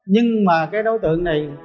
nhưng mà cái đối tượng này